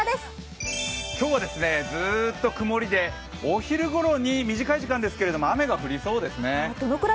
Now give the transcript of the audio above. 今日はずっと曇りでお昼ごろに短い時間ですが雨が降りそうです。